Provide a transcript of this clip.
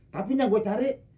tapi ini yang gua cari